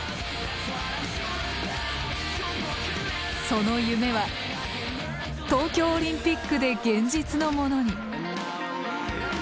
その夢は東京オリンピックで現実のものに。